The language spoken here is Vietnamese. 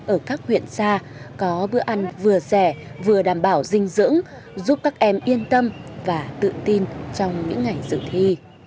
ở các huyện xa có bữa ăn vừa rẻ vừa đảm bảo dinh dưỡng giúp các em yên tâm và tự tin trong những ngày dự thi